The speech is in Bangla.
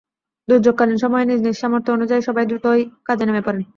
দুর্যোগকালীন সময়ে নিজ নিজ সামর্থ্য অনুযায়ী সবাই দ্রুতই কাজে নেমে পড়েন।